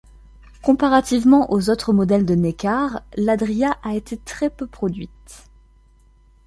Comparativement aux autres modèles de Neckar, l'Adria a été très peu produite.